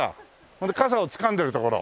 ほんで傘をつかんでるところ。